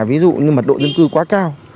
ví dụ như mật độ dân cư quá cao